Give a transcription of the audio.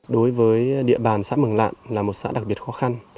đối với địa bàn xã mường lạn là một xã đặc biệt khó khăn